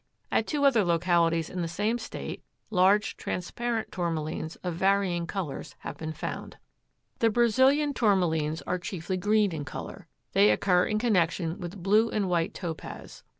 At two other localities in the same State large transparent Tourmalines of varying colors have been found. The Brazilian Tourmalines are chiefly green in color. They occur in connection with blue and white topaz.